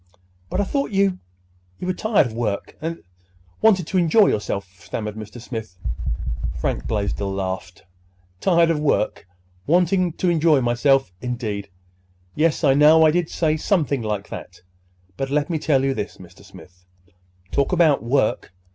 "But I thought you—you were tired of work, and—wanted to enjoy yourself," stammered Mr. Smith. Frank Blaisdell laughed. "Tired of work—wanted to enjoy myself, indeed! Yes, I know I did say something like that. But, let me tell you this, Mr. Smith. Talk about work!